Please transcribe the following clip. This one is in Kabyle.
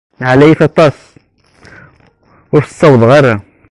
Ɛlayet aṭas, ur as-ssawḍeɣ ara.